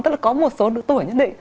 tức là có một số tuổi nhất định